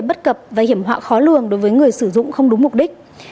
bất cập và hiểm họa khó lường đối với người sử dụng không đúng mục đích